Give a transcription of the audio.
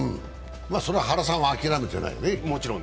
それは、原さんは諦めてないね。